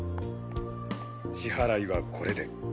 支払いはこれで。